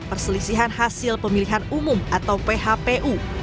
perselisihan hasil pemilihan umum atau phpu